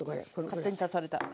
勝手に足された。